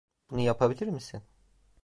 Bunu yapabilir misin?